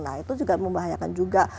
nah itu juga membahayakan juga